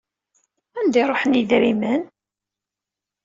Anda i ruḥen yedrimen?